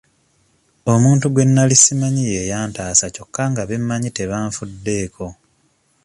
Omuntu gwe nali simanyi ye yantaasa kyokka nga be mmanyi tebanfuddeeko.